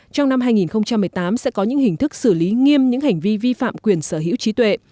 trong năm hai nghìn một mươi tám sẽ có những hình thức xử lý nghiêm những hành vi vi phạm quyền sở hữu trí tuệ